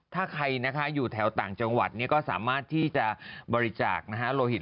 ถ้าใครอยู่แถวต่างจังหวัดก็สามารถที่จะบริจาคโลหิต